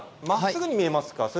まっすぐに見えますか？